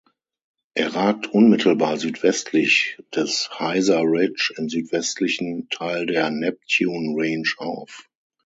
Er ragt unmittelbar südwestlich des Heiser Ridge im südwestlichen Teil der Neptune Range auf.